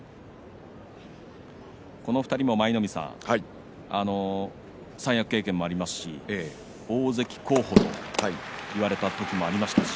この２人も、舞の海さん三役経験もありますし大関候補と言われた時もありましたし。